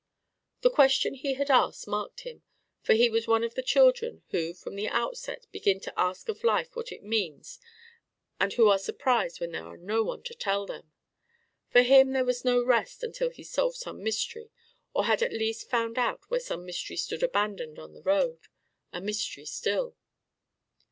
The question he had asked marked him: for he was one of the children who from the outset begin to ask of life what it means and who are surprised when there is no one to tell them. For him there was no rest until he solved some mystery or had at least found out where some mystery stood abandoned on the road a mystery still.